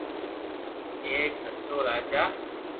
ايڪ ھتو راجا